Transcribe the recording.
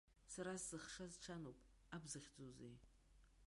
Сара сзыхшаз ҽануп, аб захьӡузеи!